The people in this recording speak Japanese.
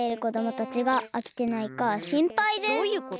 どういうこと？